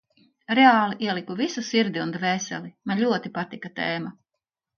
Reāli ieliku visu sirdi un dvēseli – man ļoti patika tēma.